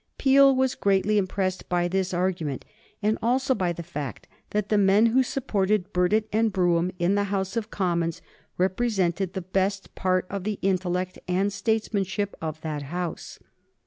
Peel was greatly impressed by this argument, and also by the fact that the men who supported Burdett and Brougham in the House of Commons represented the best part of the intellect and statesmanship of that House.